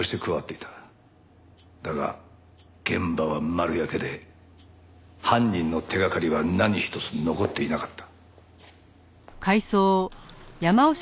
だが現場は丸焼けで犯人の手掛かりは何一つ残っていなかった。